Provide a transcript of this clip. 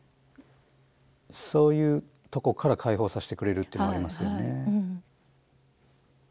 そういうとこから解放させてくれるっていうのもありますよね。